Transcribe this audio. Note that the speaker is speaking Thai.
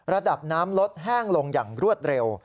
ระดับน้ำลดแห้งลงอย่างรวดเร็ว